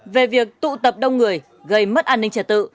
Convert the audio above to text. về việc tụ tập đông người gây mất an ninh trật tự